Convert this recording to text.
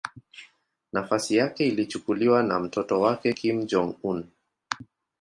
Nafasi yake ilichukuliwa na mtoto wake Kim Jong-un.